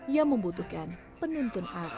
yang membutuhkan penuntun arah